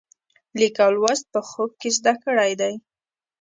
لیک لوست په خوب کې زده کړی دی.